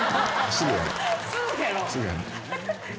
「すぐやろう」